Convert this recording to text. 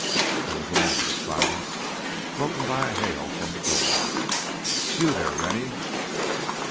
There was a moment of silence, broken by a hail from the door. "You there—Rennie!"